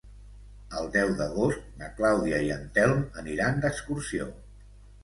El deu d'agost na Clàudia i en Telm aniran d'excursió.